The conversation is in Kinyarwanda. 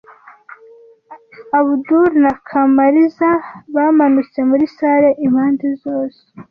Abudul na Kamariza bamanutse muri salle, impande zose.